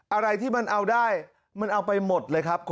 อะไรที่มันเอาได้มันเอาไปหมดเลยครับ